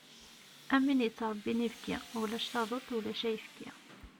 Am win yettrebbin ibki, ulac taduṭ ulac ayefki.